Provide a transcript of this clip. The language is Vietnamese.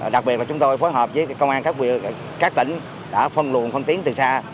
đặc biệt là chúng tôi phối hợp với công an các tỉnh đã phân luận phân tiến từ xa